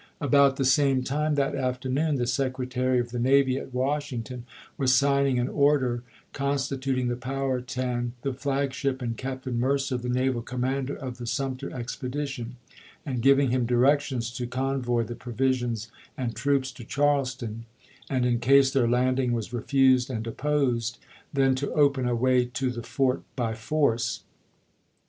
About the same time that afternoon the Secretary of the Navy at Washington was signing an order constitut ing the Powhatan the flag ship and Captain Mercer the naval commander of the Sumter expedition, and giving him directions to convoy the provisions and troops to Charleston, and in case their landing was refused and opjDosed, then to open a way to the fort by force.